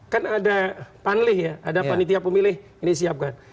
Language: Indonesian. kan ada panlih ya ada panitia pemilih ini siapkan